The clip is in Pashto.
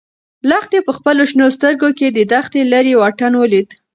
لښتې په خپلو شنه سترګو کې د دښتې لیرې واټن ولید.